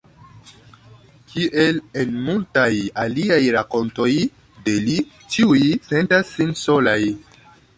Kiel en multaj aliaj rakontoj de li, ĉiuj sentas sin solaj.